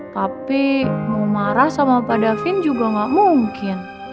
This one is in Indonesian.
tapi mau marah sama pak davin juga gak mungkin